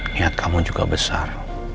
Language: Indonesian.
niat kamu juga besar